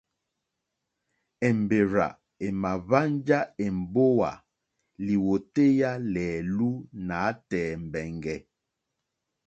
Èmbèrzà èmà hwánjá èmbówà lìwòtéyá lɛ̀ɛ̀lú nǎtɛ̀ɛ̀ mbɛ̀ngɛ̀.